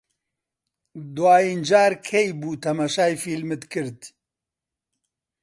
دوایین جار کەی بوو تەماشای فیلمت کرد؟